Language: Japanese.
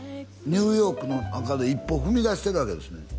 ニューヨークの中で１歩踏み出してるわけですね